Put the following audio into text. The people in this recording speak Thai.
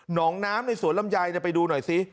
หนองน้ำในสวรรมยายไปดูหน่อยสิ